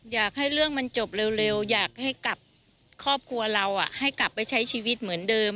อยากให้เรื่องมันจบเร็วอยากให้กับครอบครัวเราให้กลับไปใช้ชีวิตเหมือนเดิม